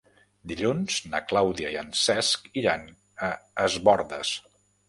Dilluns na Clàudia i en Cesc iran a Es Bòrdes.